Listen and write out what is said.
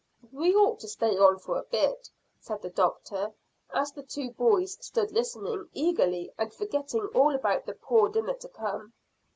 "We ought to stay on for a bit," said the doctor, as the two boys stood listening eagerly and forgetting all about the poor dinner to come.